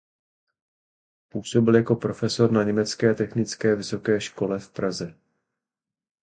Působil jako profesor na Německé technické vysoké škole v Praze.